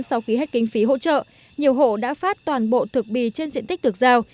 sau khi hết kinh phí hỗ trợ nhiều hộ đã phát toàn bộ thực bì trên diện tích được giao